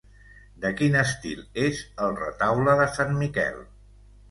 De quin estil és el Retaule de Sant Miquel?